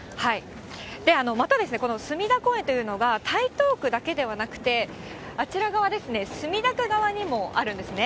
また、この隅田公園というのが、台東区だけではなくて、あちら側ですね、墨田区側にもあるんですね。